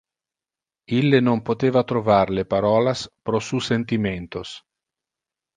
Ille non poteva trovar le parolas pro su sentimentos.